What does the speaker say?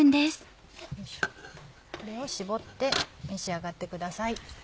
これを搾って召し上がってください。